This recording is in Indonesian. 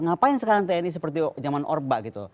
ngapain sekarang tni seperti zaman orba gitu